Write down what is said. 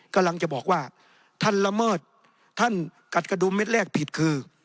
กำลังจะบอกว่าท่านละเมิดท่านกัดกระดุมเม็ดแรกผิดคือ